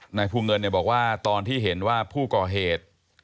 นายภูเงินบอกว่าตอนที่เห็นว่าผู้ก่อเหตุ